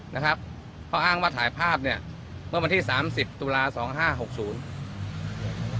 นะครับเขาอ้างว่าถ่ายภาพเนี่ยเมื่อวันที่สามสิบตุลาสองห้าหกศูนย์